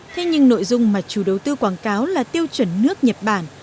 thế nhưng nội dung mà chủ đầu tư quảng cáo là tiêu chuẩn nước nhật bản